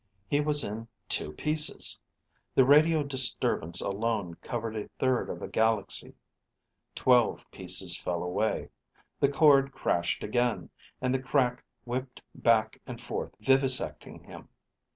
He was in two pieces! The radio disturbance alone covered a third of a galaxy. Twelve pieces fell away. The chord crashed again, and the crack whipped back and forth vivisecting him.